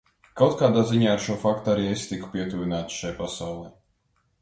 Kaut kādā ziņā ar šo faktu arī es tiku pietuvināts šai pasaulei.